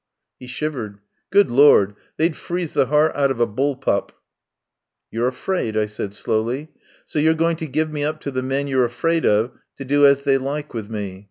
He shivered. "Good Lord, they'd freeze the 'eart out of a bull pup." "You're afraid," I said slowly. "So you're going to give me up to the men you're afraid of to do as they like with me.